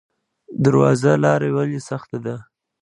درواز لاره ولې سخته ده؟